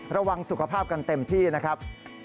ระวังสุขภาพกันเต็มที่นะครับ